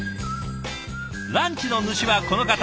ランチの主はこの方